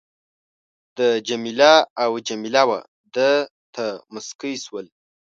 ده جميله او جميله وه ده ته مسکی شول.